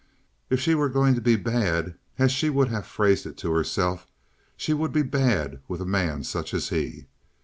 If she were going to be "bad," as she would have phrased it to herself, she would be "bad" with a man such as he.